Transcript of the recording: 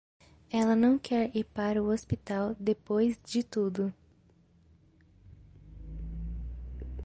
Ela não quer ir para o hospital depois de tudo.